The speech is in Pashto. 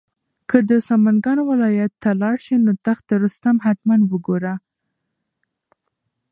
که د سمنګان ولایت ته لاړ شې نو تخت رستم حتماً وګوره.